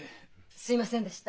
すいませんでした。